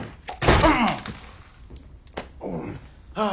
ああ！